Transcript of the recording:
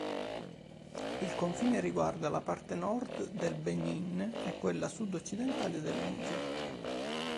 Il confine riguarda la parte nord del Benin e quella sud-occidentale del Niger.